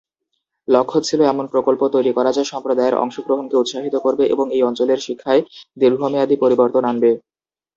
লক্ষ্য ছিল এমন প্রকল্প তৈরি করা যা সম্প্রদায়ের অংশগ্রহণকে উৎসাহিত করবে এবং এই অঞ্চলের শিক্ষায় দীর্ঘমেয়াদী পরিবর্তন আনবে।